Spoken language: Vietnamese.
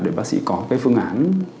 để bác sĩ có cái phương án